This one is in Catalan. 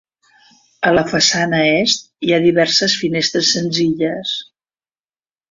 A la façana est hi ha diverses finestres senzilles.